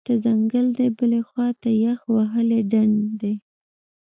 یوه لور ته ځنګل دی، بلې خوا ته یخ وهلی ډنډ دی